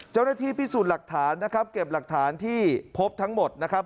เจ้าหน้าที่พิสูจน์หลักฐานนะครับเก็บหลักฐานที่พบทั้งหมดนะครับ